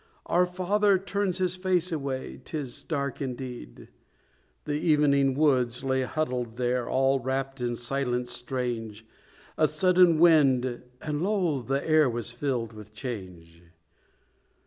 Our Father turns His face away; 'Tis dark indeed." The evening woods lay huddled there, All wrapped in silence strange: A sudden wind and lo! the air Was filled with change.